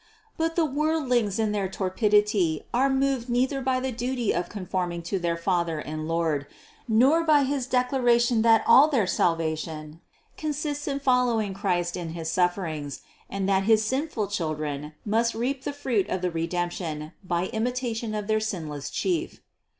But the worldlings in their torpidity are moved neither by the duty of conforming to their Father and Lord, nor by his declaration that all their salvation consists in following Christ in his sufferings and that his sinful children must reap the fruit of the Redemption by imitation of their sinless Chief.